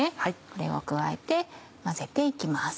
これを加えて混ぜて行きます。